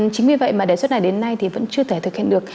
chính vì vậy đề xuất này đến nay vẫn chưa thể thực hiện được